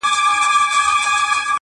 د همزولو له ټولۍ سره به سيال واى٫